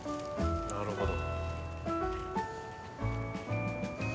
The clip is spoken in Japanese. なるほど。